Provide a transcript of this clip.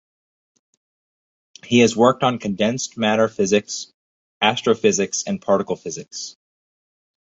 He has worked on condensed matter physics, astrophysics, and particle physics.